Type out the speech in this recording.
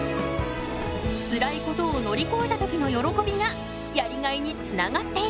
つらいことを乗り越えた時の喜びがやりがいにつながっている。